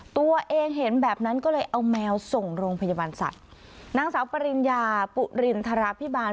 ตัวเองเห็นแบบนั้นก็เลยเอาแมวส่งโรงพยาบาลสัตว์นางสาวปริญญาปุรินทราพิบาล